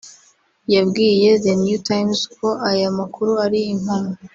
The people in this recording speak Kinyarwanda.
yabwiye The New Times ko aya makuru ari impamo